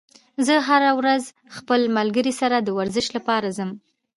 زه هره ورځ خپل ملګري سره د ورزش لپاره ځم